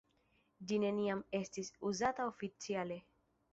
Ĝi neniam estis uzata oficiale.